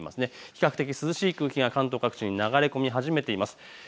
比較的、涼しい空気が関東各地に流れ込み始めています。